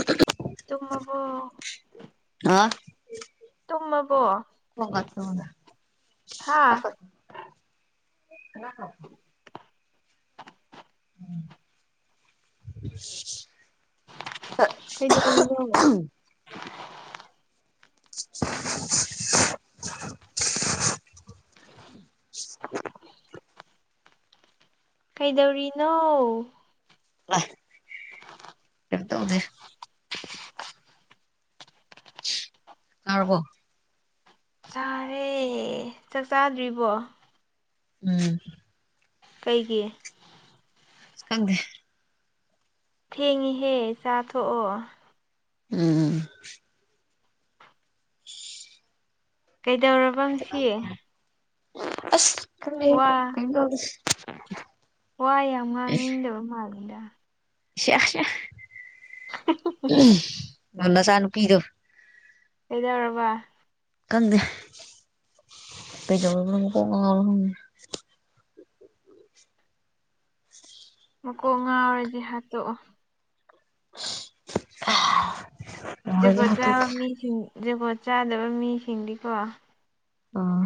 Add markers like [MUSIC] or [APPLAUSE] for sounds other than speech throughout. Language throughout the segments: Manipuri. ꯑꯗꯨ ꯑꯗꯨ ꯃꯃ ꯑ ꯇꯨꯝꯃꯕꯣ ꯍ ꯍꯥꯥ ꯍꯒ ꯑ ꯀꯩꯗꯧꯔꯤꯅꯤ [UNINTELLIGIBLE] ꯀꯩꯗꯧꯔꯤꯅꯣ ꯀꯥꯝ ꯇꯧꯗꯦ ꯆꯥꯔꯕꯣ ꯆꯥꯔꯦ ꯆꯥꯛ ꯆꯥꯗ꯭ꯔꯤꯕꯣ ꯎꯝ ꯀꯩꯒꯤ ꯑꯁ ꯈꯪꯗ‌ꯦ ꯊꯦꯡꯉꯤꯍꯦ ꯆꯥꯊꯣꯛꯑꯣ ꯎꯝ ꯀꯩꯗꯧꯔꯝ ꯑꯁ ꯀ ꯋꯥ [UNINTELLIGIBLE] ꯋꯥ ꯌꯥꯝ ꯉꯥꯡꯅꯤꯡꯗꯕ ꯃꯥꯥꯟꯂꯤꯗ ꯁꯤꯑꯥ ꯁꯤꯑꯥ ꯎꯝ ꯅꯆꯥ ꯅꯨꯄꯤꯗꯣ ꯀꯩꯗꯧꯔꯕ ꯈꯪꯗ‌ꯦ ꯀꯩꯗꯧꯔꯕꯅꫭ ꯃꯀꫭꯛ ꯉꯥꯎꯔꯤꯔ‌ ꯈꯪꯗ‌ꯦ ꯃꯀꯣꯛ ꯉꯥꯎꯔꯗꯤ ꯍꯥꯠꯇꯣꯛꯑꯣ ꯑꯥ ꯖꯒꯣꯠ ꯆꯥꯕ ꯃꯤꯁꯤꯡ ꯖꯒꯣꯠ ꯆꯥꯗꯕ ꯃꯤꯁꯤꯡꯗꯤꯀꯣ ꯑꯣ ꯎꯝ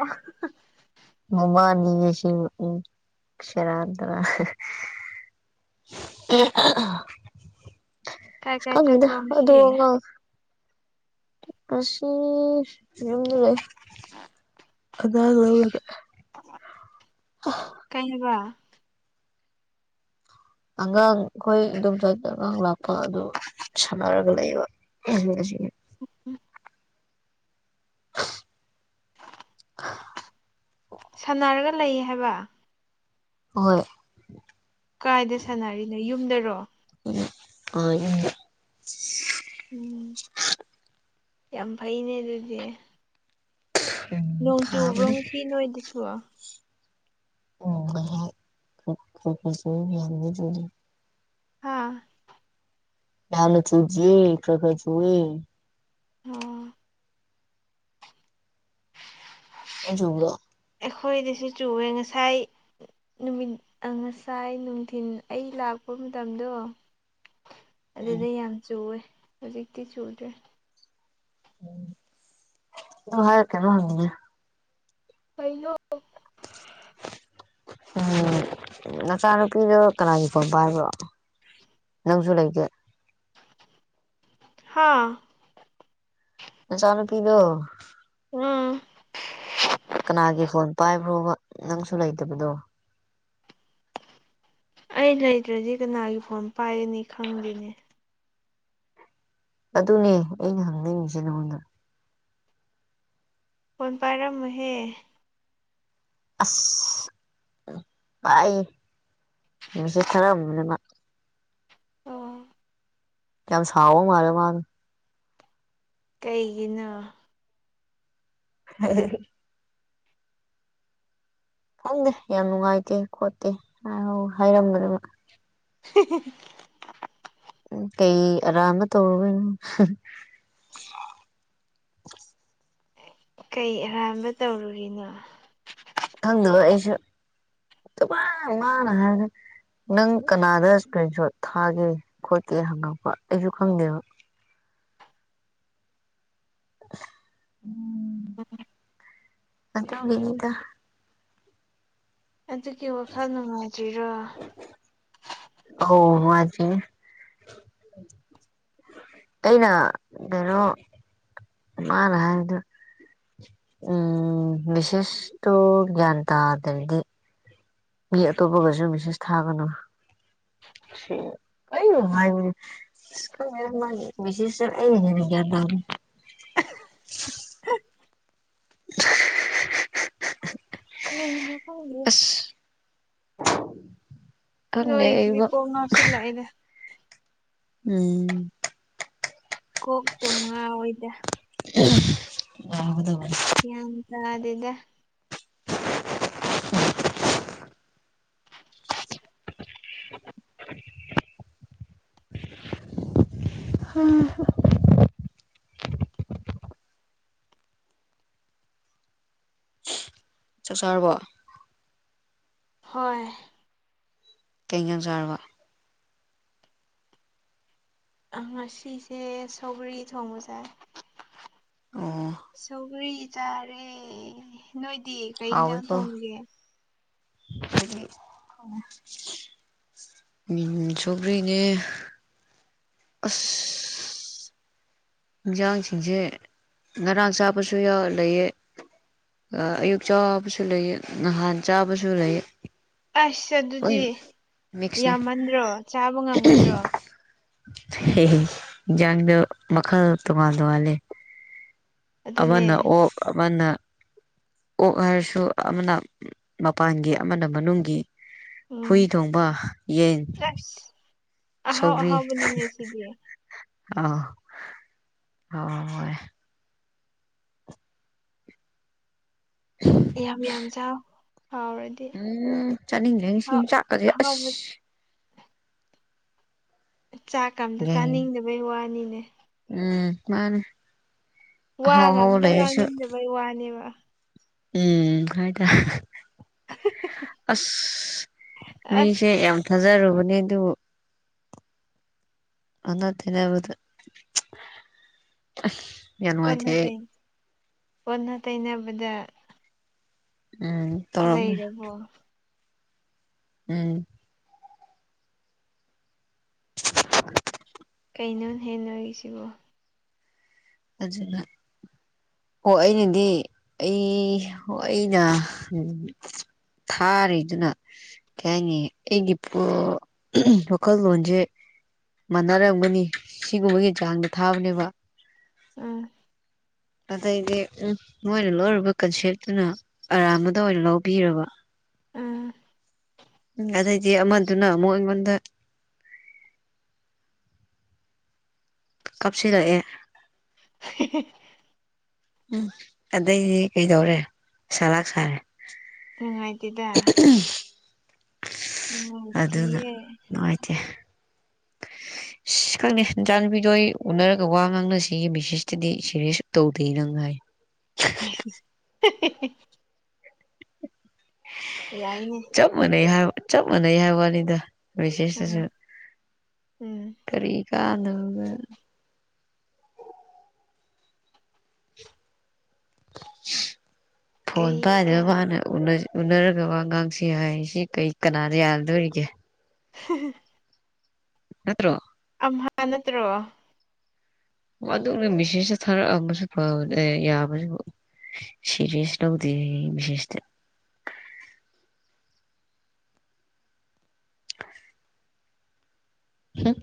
[UNINTELLIGIBLE] [UNINTELLIGIBLE] ꯁ‌ꯦꯔꯥꯟ ꯇꯨꯔꯥꯟ ꯀꯥꯏ ꯑꯁ ꯀꯥꯏ ꯈꯪꯗ‌ꯦꯗꯥ ꯆꯠꯄ꯭ꯔꯣ ꯉꯁꯤ ꯑꯗꫭ ꯑꯉꯥꯡ ꯑ [UNINTELLIGIBLE] ꯑꯉꯥꯡ ꯂꯧꯔꯒ ꯀꯩꯅꯤꯕ ꯑꯉꯥꯡ ꯑꯩꯈꯣꯏ ꯏꯗꫭꯝ ꯆꯥꯏꯗ ꯑꯉꯥꯡ ꯂꯥꯛꯄ ꯑꯗꯨ ꯁꯅꯔꯒ ꯂꯩꯕ ꯎꯝ ꯉꯁꯤꯒꯤ ꯎꯝ ꯎꯝ [UNINTELLIGIBLE] [UNINTELLIGIBLE] ꯁꯥꯟꯅꯔꯒ ꯂꯩꯌꯦ ꯍꯥꯏꯕ ꯍꯣꯏ ꯀꯥꯏꯗ ꯁꯥꯟꯅꯔꯤꯅꯣ ꯌꯨꯝꯗꯔꯣ [UNINTELLIGIBLE] ꯎꯝ ꯌꯥꯝ ꯐꯩꯅꯦ ꯑꯗꯨꯗꯤ [UNINTELLIGIBLE] ꯅꯣꯡ ꯆꯨꯕ꯭ꯔꯣ ꯐꯥꯕꯅꯦ ꯉꯁꯤ ꯅꯣꯏꯗꯁꯨ ꯑꯣ ꯈꯁꯨꯔꯤ [UNINTELLIGIBLE] ꯍꯥꯥ ꯌꯥꯝꯅ ꯆꯨꯗꯔꯤ ꯈꯔ ꯈꯔꯆꯨꯋ‌ꯦ ꯑꯣ ꯅꫭꯏ ꯆꯨꯕꯔꫭ ꯑꯩꯈꯣꯏꯗꯁꯨ ꯆꯨꯨꯋ‌ꯦ ꯉꯁꯥꯏ ꯅꯨꯃꯤꯠ ꯑꯥ ꯉꯁꯥꯏ ꯅꯨꯡꯊꯤꯟ ꯑꯩ ꯂꯥꯛꯄ ꯃꯇꯝꯗꯣ ꯑꯗꯨꯗꯤ ꯌꯥꯝ ꯆꯨꯋꯦ ꯍꯧꯖꯤꯛꯇꯤ ꯆꯨꯗ꯭ꯔꯦ ꯑꯗꯨ ꯍꯥꯏꯔ ꯀꯩꯅꯣꯝ ꯍꯪꯒ‌ꯦꯅ‌ꯦ ꯀꯩꯅꯣ ꯎꯝ ꯅꯆꯥꯅꯨꯄꯤꯗꯣ ꯀꯅꯥꯒꯤ ꯐꯣꯟ ꯄꯥꯏꯕ꯭ꯔꯣ ꯅꯪꯁꯨ ꯂꯩꯇꯦ ꯍꯥꯥ ꯅꯆꯥ ꯅꯨꯄꯤꯗꯣ [UNINTELLIGIBLE] ꯀꯅꯥꯒꯤ ꯐꯣꯟ ꯄꯥꯏꯕ꯭ꯔꯣꯕ ꯅꯪꯁꯨ ꯂꯩꯇꯕꯗꯣ ꯑꯩ ꯂꯩꯇ꯭ꯔꯗꯤ ꯀꯅꯥꯒꯤ ꯐꯣꯟ ꯄꯥꯏꯒꯅꯤ ꯈꯪꯗꯦꯅꯦ ꯑꯗꯨꯅꯦ ꯑꯩꯅ ꯍꯪꯅꯤꯡꯉꯁꯤꯦ ꯅꯉꯣꯟꯗ ꯐꯣꯟ ꯄꯥꯏꯔꯝꯃꯨꯍꯦ ꯑꯁ ꯚꯥꯏ ꯃꯁꯖ ꯃꯥ ꯑꯣ ꯀ ꯁꯥꯋꯣ ꯃꯥꯔꯦ ꯃꯥ ꯀꯩꯒꯤꯅꯣ ꯍ ꯈꯪꯗꯦ ꯌꯥꯝ ꯅꯨꯡꯉꯥꯏꯇꯦ ꯈꯣꯠꯇꯦ ꯍꯥꯏꯔꯝꯒꯅꯦꯕ [INAUDIBLE] ꯀꯩ ꯑꯔꯥꯟꯕ ꯇꯧꯔꯨꯒꯣꯏꯅꯣ ꯀꯩ ꯑꯔꯥꯟꯕ ꯇꯧꯔꯨꯔꯤꯅꯣ ꯈꯪꯗꯕ ꯑꯩꯁꯨ ꯑꯗꯨ ꯉꯅ ꯍꯥꯏꯔꯦ ꯅꯪ ꯀꯅꯥꯗ ꯏꯁꯀ꯭ꯔꯤꯟ ꯁꯣꯠ ꯊꯥꯒꯦ ꯈꯣꯠꯀꯦ ꯍꯪꯉꯛꯄ ꯑꯩꯁꯨ ꯈꯪꯗꯦꯕ [INAUDIBLE] ꯑꯗꯨꯒꯕꯤꯅꯤꯗ ꯑꯗꯨꯒꯤ ꯋꯥꯈꯜ ꯅꯨꯡꯉꯥꯏꯇ꯭ꯔꯣ ꯑꯣ ꯅꯨꯡꯑꯏꯇꯔꯤꯅꯤ꯫ ꯑꯩꯅ ꯀꯩꯅꯣ ꯃꯥꯅ ꯍꯥꯏꯕꯗꯨ ꯎꯝ ꯃꯤꯁꯦꯁꯇꯨ ꯒꯌ꯭ꯥꯟ ꯇꯗꯔ꯭ꯗꯤ ꯃꯤ ꯑꯇꯣꯞꯄꯒꯁꯨ ꯃꯤꯁꯦꯁ ꯊꯥꯒꯅꯨ ꯏꯁ ꯈꯪꯗꯦꯗ ꯃꯥꯒꯤ ꯃꯤꯁꯦꯁ ꯇꯣ ꯑꯩꯅ ꯒ꯭ꯌꯥꯟ ꯇꯥꯗꯦ꯫ [UNINTELLIGIBLE] ꯀꯩꯅꯣ ꯀꯥꯪꯗꯔꯦ꯫ ꯑꯁ ꯈꯪꯗꯦ ꯑꯩꯕꯣ ꯅꯣꯏꯁꯤꯗꯤꯀꯣ ꯀꯣꯛ ꯉꯥꯎꯁꯤꯜꯂꯛꯑꯦꯗ ꯎꯝ ꯀꯣꯛ ꯇꯤꯝ ꯉꯑꯣꯋꯤꯗ [UNINTELLIGIBLE] ꯒꯌ꯭ꯥꯟ ꯇꯥꯗꯦꯗ ꯎꯝ ꯆꯥꯛ ꯆꯥꯔꯕꯣ ꯍꯣꯏ ꯀꯩ ꯌꯦꯟꯖꯥꯪ ꯆꯥꯔꯕ ꯉꯁꯤꯁꯦ ꯁꯧꯒ꯭ꯔꯤ ꯊꯣꯡꯕꯁꯥꯏ ꯑꯣ ꯁꯧꯔꯤ ꯆꯥꯔꯦ ꯅꯣꯏꯗꯤ ꯀꯩ ꯌꯦꯟꯁꯥꯡ ꯍꯥꯎꯋꯤꯀꯣ ꯊꯣꯡꯒꯦ [INAUDIBLE] ꯃꯤꯟ ꯁꯒ꯭ꯤꯅꯦ ꯑꯁ ꯌꯦꯟꯁꯥꯡꯁꯤꯡꯁꯦ ꯉꯔꯥꯡ ꯆꯥꯕꯁꯨ ꯂꯩꯌꯦ꯫ ꯑꯌꯨꯛ ꯆꯥꯕꯁꯨ ꯂꯩ ꯅꯍꯥꯟ ꯆꯥꯕꯁꯨ ꯂꯩ꯫ ꯑꯁ ꯑꯗꯨꯗꯤ ꯃꯤꯛꯁꯅꯦ ꯌꯥꯝꯃꯟꯗ꯭ꯔꯣ ꯆꯥꯕ ꯉꯝꯒꯗ꯭ꯔꯣ? ꯍꯖꯪꯒꯗ ꯃꯈꯥꯜ ꯇꯣꯉꯥꯜ ꯇꯣꯉꯥꯜꯤ ꯑꯗꯨꯅꯦ ꯑꯃꯅ ꯑꯣꯛ ꯑꯃꯅ ꯑꯣꯛ ꯍꯥꯏꯔꯁꯨ ꯑꯃꯅ ꯃꯄꯥꯟꯒꯤ ꯑꯃꯅ ꯃꯅꯨꯡꯒꯤ ꯍꯨꯏ ꯎꯝ ꯊꯣꯡꯕ ꯌꯦꯟ ꯑꯁ ꯑꯍꯥꯎ ꯁꯥꯎꯒꯔꯤ ꯑꯍꯥꯎꯕꯅꯤꯅꯦ ꯁꯤꯗꯤ ꯑ ꯍ ꯑꯣ ꯍꯣꯏ꯫ [INAUDIBLE] ꯌꯥꯝ ꯌꯥꯝ ꯆꯥꯎ ꯍꯥꯎꯔ ꯎꯝ ꯆꯥꯅꯤꯡꯗꯦ ꯁꯤꯆꯥꯛꯀꯖꯦ ꯑꯁ ꯑꯍꯥꯎꯕ ꯆꯥꯛ ꯀ ꯑꯝꯇ ꯆꯥꯅꯤꯡꯗꯕꯩ ꯋꯥꯅꯤꯅꯦ꯫ ꯎꯝ ꯃꯥꯅꯦ꯫ ꯑꯍꯥꯎ ꯋꯥꯒ ꯑꯍꯥꯎꯕ ꯑꯝꯇ ꯂꯩꯔꯁꯨ ꯉꯥꯡꯅꯤꯡꯗꯕꯩ ꯋꯥꯅꯦꯕ꯫ ꯎꯝ ꯍꯥꯏꯗ ꯍꯥ ꯍꯥ ꯑꯁ꯫ ꯑꯁ ꯃꯤꯁꯦ ꯌꯥꯝ ꯊꯥꯖꯔꯨꯕꯅꯦ ꯑꯗꯨ ꯑꯣꯅꯠꯇꯅꯦꯕꯗ ꯑꯣꯟꯅ ꯇꯩꯅꯕꯗ ꯎꯝ꯫ ꯇꯧꯔꯝꯃꯦ ꯂꯩꯔꯕꯣ꯫ ꯎꯝ꯫ [INAUDIBLE] ꯀꯩꯅꯣꯅꯦꯍꯦ ꯅꯣꯢꯁꯤꯕꯣ꯫ ꯑꯗꯨꯅ ꯍꯣꯏ ꯑꯩꯅꯗꯤ ꯑꯩ ꯑꯩꯅ ꯊꯥꯔꯤꯗꯨꯅ꯫ ꯀꯩ ꯍꯥꯏꯅꯤ ꯑꯩꯒꯤ ꯋꯥꯈꯜꯂꯣꯟꯁꯦ ꯃꯥꯟꯅꯔꯝꯒꯅꯤ ꯁꯤꯒꯨꯝꯕꯒꯤ ꯆꯥꯡꯗꯣ ꯊꯥꯕꯅꯦꯕ ꯎꯝ꯫ ꯑꯗꯩꯗꯤ ꯎ ꯃꯣꯏꯅ ꯂꯧꯣꯏꯔꯨꯕ ꯀꯟꯁꯦꯞꯇꯨꯅ ꯑꯔꯥꯟꯕꯗ ꯑꯣꯏꯅ ꯂꯧꯕꯤꯔꯕ ꯎꯝ ꯎꯝ ꯑꯗꯩꯗꯤ ꯑꯃꯗꯨꯅ ꯑꯃꯨꯛ ꯑꯩꯉꯣꯟꯗ ꯀꯥꯞꯁꯤꯜꯂꯛꯑꯦ ꯎ ꯎꯝ ꯑꯗꯩꯗꯤ ꯀꯩꯗꯧꯔꯦ ꯁꯂꯥꯛ ꯁꯥꯔꯦ ꯅꯨꯡꯉꯥꯏꯇꯦꯗ꯫ ꯑꯗꯨꯅ ꯅꯨꯡꯉꯥꯏꯇꯤꯌꯦ ꯅꯨꯡꯉꯥꯏꯇꯦ ꯏꯁ ꯈꯪꯉꯦ ꯆꯥ ꯅꯨꯨꯄꯤꯗꯣꯏ ꯑꯩ ꯎꯅꯔꯒ ꯋꯥ ꯉꯥꯡꯅꯁꯤ ꯕꯦꯁꯤꯁꯇꯗꯤ ꯁꯦꯔꯤꯌꯁ ꯇꯧꯗꯦ ꯅꯪ ꯍꯥꯏꯥ꯫ [UNINTELLIGIBLE] ꯑ [UNINTELLIGIBLE] ꯌꯥꯏꯅꯦ꯫ ꯆꯞ ꯃꯥꯟꯅꯩ ꯍꯥꯏ ꯆꯞ ꯃꯥꯟꯅꯩ ꯍꯥꯏꯕ ꯋꯥꯅꯤꯗ ꯑꯥ ꯁꯦꯁꯁꯨ ꯎꯝ ꯀꯔꯤ ꯀꯥꯟꯗꯒ ꯐꯣꯟꯣꯟ ꯀꯩ ꯄꯥꯏꯗꯕ ꯀꯩ ꯃꯥꯅ ꯎꯅ ꯎꯅꯔꯒ ꯋꯥꯉꯥꯡꯁꯦ ꯍꯥꯏ ꯁꯤ ꯀꯩ ꯀꯅꯥꯗ ꯌꯥꯗꯣꯔꯤꯒꯦ꯫ ꯎ [UNINTELLIGIBLE] ꯅꯠꯇ꯭ꯔꯣ꯫ ꯑꯝꯍ ꯅꯠꯇ꯭ꯔꯣ꯫ ꯋꯣ ꯑꯗꯨꯛꯅꯦ ꯃꯤꯁꯦꯁꯆꯨ ꯊꯥꯔꯛꯑꯝꯕꯁꯨ ꯐꯕꯅꯦ ꯌꯥꯕꯁꯨꯕꯨ ꯁꯤꯔꯦꯁ ꯂꯧꯗꯦ ꯃꯤꯁꯦꯁꯇ꯫ [INAUDIBLE] ꯍꯨꯝ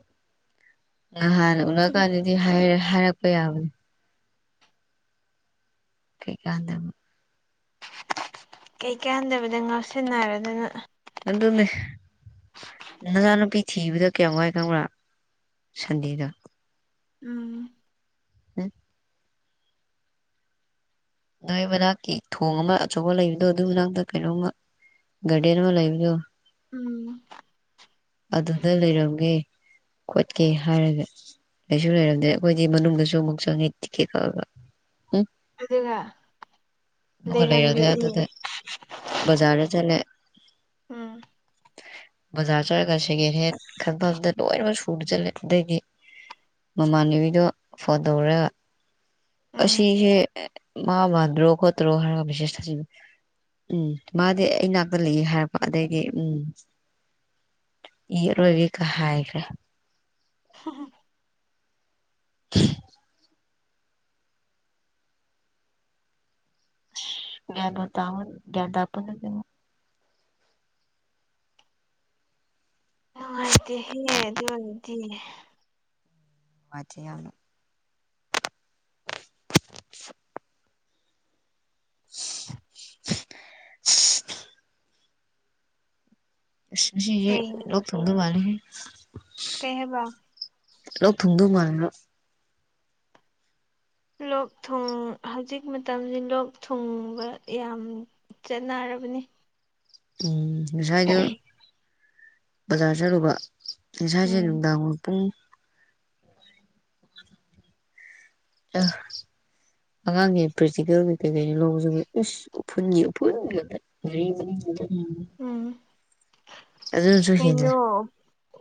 ꯅꯍꯥꯟ ꯎꯅ ꯀꯥꯟꯗꯗꯤ ꯍꯥꯢꯔ ꯍꯥꯏꯔꯛꯄ ꯌꯥꯕꯅꯦ꯫ ꯀꯩ ꯀꯥꯟꯗ ꯀꯩ ꯀꯥꯟꯗꯕꯗ ꯉꯥꯎꯁꯤꯟꯅꯔꯗꯅ꯫ ꯑꯗꯨꯅꯦ꯫ ꯅꯆꯥꯅꯨꯄꯤ ꯊꯤꯕꯗ ꯀꯌꯥꯝ ꯋꯥꯏ ꯈꯪꯕ꯭ꯔꯥ ꯁꯟꯗꯤꯗꯣ ꯎꯝ꯫ ꯎꯝ ꯅꯣꯏ ꯃꯅꯥꯛꯀꯤ ꯊꯣꯡ ꯑꯃ ꯑꯆꯧꯕ ꯂꯩꯕꯗꯣ ꯑꯗꯨꯏ ꯃꯅꯥꯛꯇ ꯀꯩꯅꯣꯝꯃ ꯒꯥꯔꯗꯦꯟ ꯃ ꯂꯩꯕꯗꯨ꯫ ꯎꯝ꯫ ꯑꯗꯨꯗ ꯂꯩꯔꯝꯒꯦ ꯈꯣꯠꯀꯦ ꯍꯥꯏꯔꯒ ꯀꯩꯁꯨ ꯂꯩꯔꯝꯗ꯭ꯔꯦ ꯑꯩꯈꯣꯏꯗꯤ ꯃꯅꯨꯡꯗꯁꯨ ꯑꯃꯨꯛ ꯆꯪꯉꯦ ꯇꯤꯛꯀꯦꯠ ꯀꯛꯑꯒ ꯎꯝ ꯑꯗꯨꯒ ꯑꯗꯨꯒ ꯂꯩꯔꯝꯗꯦ ꯂꯩꯔꯝꯗ꯭ꯔꯗꯤ ꯑꯗꯨꯗ ꯕꯖꯥꯔꯗ ꯆꯠꯂꯦ ꯎꯝ ꯕꯖꯥꯔ ꯆꯠꯂꯒ ꯁꯦꯀꯦꯟ ꯍꯦꯟ ꯈꯟꯐꯝꯗ ꯂꯣꯏꯅꯃꯛ ꯁꯨꯅ ꯆꯠꯂꯦ ꯑꯗꯩꯒꯤ ꯃꯃꯥꯟꯅꯕꯤꯗꯣ ꯐꯣꯟ ꯇꯧꯔꯒ ꯎꯝ ꯑꯁꯤꯁꯦ ꯃꯥ ꯃꯥꯜꯗ꯭ꯔꯣ ꯈꯣꯇ꯭ꯔꯣ ꯍꯥꯏꯔꯒ ꯃꯦꯁꯦꯁ ꯊꯖꯤꯜ ꯎꯝ ꯃꯥꯗꯤ ꯑꯩꯅꯥꯛꯇ ꯂꯩꯏ ꯍꯥꯏꯔꯛꯄ ꯑꯗꯩꯗꯤ ꯎꯝ ꯏ ꯔꯒ ꯀ ꯍꯥꯏꯈ꯭ꯔꯦ ꯍꯝ ꯍꯝ [INAUDIBLE] ꯒꯌ꯭ꯥꯟꯕꯨ ꯇꯥꯎꯍ ꯒ꯭ꯌꯥꯟ ꯇꯥꯄꯣꯠꯇꯦꯗ ꯅꯨꯡꯉꯥꯏꯇꯦꯍꯦ ꯑꯗꯨ ꯑꯣꯏꯔꯗꯤ ꯅꯨꯉꯥꯏꯇꯦ ꯌꯥꯝꯅ [INAUDIBLE] [UNINTELLIGIBLE] ꯉꯁꯤꯖꯦ ꯀꯩ ꯂꯣꯛ ꯊꯨꯡꯗꯧ ꯃꯂꯤꯍꯦ ꯀꯩꯍꯥꯏꯕ ꯂꯣꯛ ꯊꯨꯡꯗꯧ ꯃꯥꯟꯕ ꯂꯣꯛ ꯊꯨꯡ ꯍꯧꯖꯤꯛ ꯃꯇꯝꯁꯤ ꯂꯣꯛ ꯊꯨꯡꯕ ꯌꯥꯝꯃꯤ ꯆꯠꯅꯔꯕꯅꯤ ꯎꯝ ꯉꯁꯥꯏꯗꯨ ꯕꯖꯥꯔ ꯆꯠꯂꯨꯕ ꯉꯁꯥꯏꯁꯦ ꯎꯝ ꯅꯨꯡꯗꯥꯡ ꯄꯨꯡ ꯑ [UNINTELLIGIBLE] ꯑꯉꯥꯡꯒꯤ ꯄ꯭ꯔꯦꯛꯇꯤꯀꯦꯜꯒꯤ ꯀꯩꯀꯩꯅꯣ ꯂꯧꯕ ꯆꯠꯄꯗꯨꯕꯨ ꯏꯁ ꯎꯐꯨꯟꯒꯤ ꯎꯐꯨꯟ ꯉꯥꯛꯇ [INAUDIBLE] [UNINTELLIGIBLE] ꯎꯝ ꯑꯗꯨꯅꯁꯨ ꯍꯦꯟꯅ ꯀꯩꯅꯣ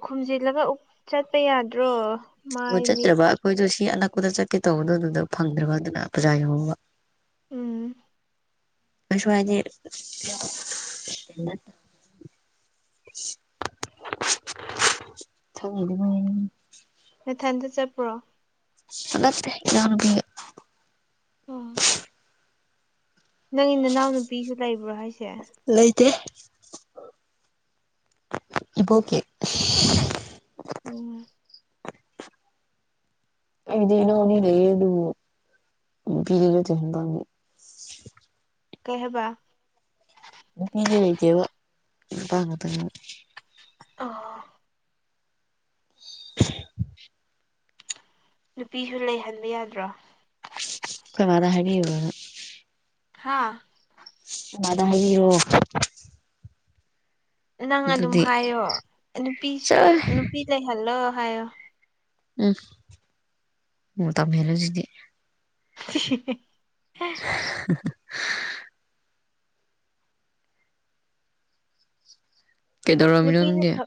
ꯈꯨꯝꯖꯤꯜꯂꯒ ꯆꯠꯄ ꯌꯥꯗ꯭ꯔꯣ ꯃꯥꯏ ꯃꯤꯠ ꯈꯣꯏꯗꯣ ꯁꯤ ꯑꯅꯛꯄꯗ ꯆꯠꯀꯦ ꯇꯧꯕꯗꯣ ꯑꯗꯨꯗ ꯐꯪꯗ꯭ꯔꯕ ꯑꯗꯨꯅ ꯕꯔꯖꯥ ꯌꯧꯍꯧꯔꯕ ꯎꯝ ꯑꯁꯋꯥꯗꯦ ꯊ [UNINTELLIGIBLE] ꯅꯊꯟꯗ ꯆꯠꯄ꯭ꯔꯣ ꯅꯠꯇꯦ ꯏꯅꯥꯎꯅꯨꯄꯤ ꯑꫭ ꯅꯪꯒꯤ ꯅꯅꯥꯎ ꯅꯨꯄꯤꯒ ꯂꯩꯕ꯭ꯔꯣ ꯍꯥꯏꯁꯦ ꯂꯩꯇꯦ ꯏꯕꯣꯛꯀꯤ ꯎꯝ ꯑꯩꯗꯤ ꯏꯅꯥꯎ ꯑꯅꯤ ꯂꯩꯑ ꯑꯗꯨ ꯅꯨꯄꯤꯗꯤ ꯅꯠꯇꯦ ꯅꯨꯄꯥ ꯑꯅꯤ ꯀꯩꯍꯥꯏꯕ ꯅꯨꯄꯤꯗꯤ ꯂꯩꯇꯦꯕ ꯅꯨꯄꯥ ꯉꯥꯛꯇꯅꯦꯕ ꯑ [UNINTELLIGIBLE] [UNINTELLIGIBLE] ꯅꯨꯄꯤꯁꯨ ꯂꯩꯍꯟꯕ ꯌꯥꯗ꯭ꯔꯣ ꯑꯩꯈꯣꯏꯃꯥꯗ ꯍꯥꯏꯕꯤꯌꯨꯔꯅ ꯍꯥꯥ ꯃꯗꯥ ꯍꯥꯏꯕꯤꯌꯣ ꯅꯪ ꯑꯗꯨꯝ ꯑꯗꯨꯗꯤ ꯍꯥꯏꯌꯣ ꯅꯨꯄꯤꯁꯨ ꯆꯠꯂꯣꯍꯦ ꯅꯨꯄꯤ ꯂꯩꯍꯜꯂꯣ ꯍꯥꯏꯌꯣ ꯎꯝ ꯃꯇꯝꯍꯦꯜꯂꯦꯁꯤꯗꯤ [INAUDIBLE] [UNINTELLIGIBLE] ꯀꯩꯗꯧꯔꯝꯃꯤꯅꯣ ꯅꯨꯄꯤꯅ ꯅꯪꯗꯤ ꯑꯣ ꯐꯥ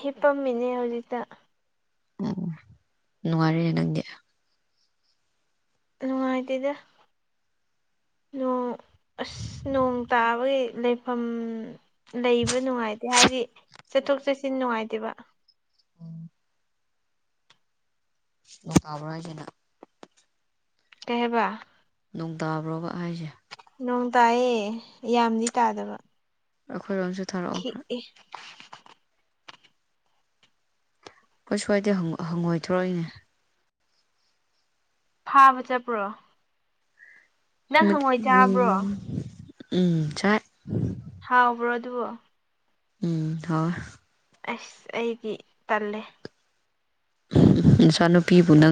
ꯍꯦꯞꯄꯝꯃꯤꯅꯦ ꯍꯧꯖꯤꯛꯇ ꯎꯝ ꯅꯨꯡꯉꯥꯏꯔꯦ ꯅꯪꯗꯤ ꯅꯨꯡꯉꯥꯏꯇꯦꯗ ꯅꫭꯡ ꯑꯁ ꯅꯣꯡ ꯇꯥꯕꯒꯤ ꯂꯩꯐꯝ ꯂꯩꯕ ꯅꯨꯡꯉꯥꯏꯇꯦ ꯍꯥꯏꯗꯤ ꯆꯠꯊꯣꯛ ꯆꯠꯁꯤꯟ ꯅꯨꯡꯉꯥꯏꯇꯦꯕ ꯅꯣꯡ ꯇꯥꯕ꯭ꯔꯣ ꯍꯥꯏꯖꯦ ꯅꯪ ꯀꯩꯍꯥꯏꯕ ꯅꯣꯡ ꯇꯥꯕ꯭ꯔꯣꯕ ꯍꯥꯏꯁꯦ ꯅꯣꯡ ꯇꯥꯏꯑꯦ ꯌꯥꯝꯗꯤ ꯇꯥꯗꯕ ꯑꯩꯈꯣꯏꯔꯣꯝꯁꯨ ꯊꯥꯔꯛꯑꯣ ꯈ꯭ꯔ ꯈꯤꯛꯑꯦ ꯑꯩꯈꯣꯏ ꯁ꯭ꯋꯥꯏꯗ ꯍꯪꯉꫭꯏ ꯍꯪꯉꯣꯏ ꯊꯣꯔꯛꯏꯅꯦ ꯐꯥꯕ ꯆꯠꯄ꯭ꯔꯣ ꯅꯪ ꯍꯪꯉꯣꯏ ꯆꯥꯕ꯭ꯔꯣ [UNINTELLIGIBLE] ꯍꯥꯎꯕ꯭ꯔꯣ ꯑꯗꯨꯕꯣ ꯎꯝ ꯍꯥꯎꯋꯦ ꯑꯁ ꯑꯩꯗꯤ ꯇꯜꯂꯦ ꯅꯆꯥꯅꯨꯄꯤꯕꯨ ꯅꯪ